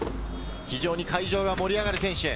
非常に会場が盛り上がる選手。